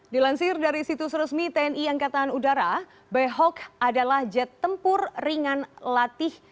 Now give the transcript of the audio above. dilansir dari situs resmi tni angkatan udara behok adalah jet tempur ringan latih